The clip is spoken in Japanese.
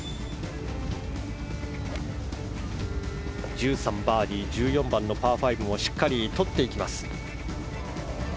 １３、バーディー１３番をしっかりとっていきます。